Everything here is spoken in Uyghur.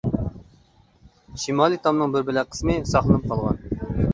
شىمالىي تامنىڭ بىر بۆلەك قىسمى ساقلىنىپ قالغان.